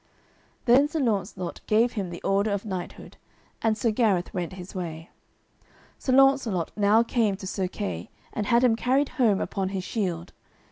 Then Sir Launcelot gave him the order of knighthood, and Sir Gareth went his way. Sir Launcelot now came to Sir Kay and had him carried home upon his shield.